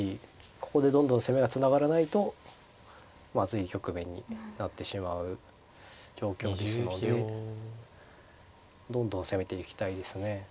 ここでどんどん攻めがつながらないとまずい局面になってしまう状況ですのでどんどん攻めていきたいですね。